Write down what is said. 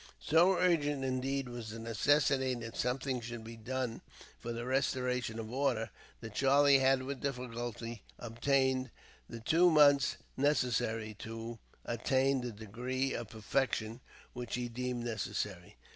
So urgent, indeed, was the necessity that something should be done for the restoration of order, that Charlie had with difficulty obtained the two months necessary to attain the degree of perfection which he deemed necessary.